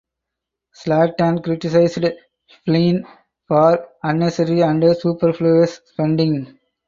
Slaton criticized Flynn for unnecessary and superfluous spending.